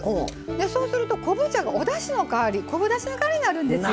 そうすると昆布茶がおだしの代わり昆布だしの代わりになるんですよ。